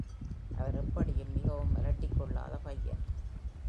அவர் எப்படியும் மிகவும் அலட்டிக்கொல்லாத பையன்.